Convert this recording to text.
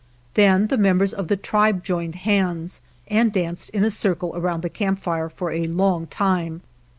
Then the members of the tribe joined hands and danced in a circle around the camp fire for a long time.